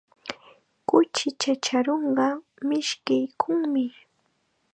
Kuchi chacharunqa mishkiykunmi.